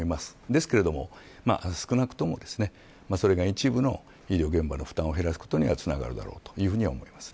ですが少なくともそれが一部の医療現場の負担を減らすことにはつながるだろうと思います。